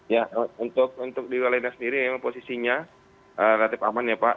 ya untuk di wilayah sendiri memang posisinya relatif aman ya pak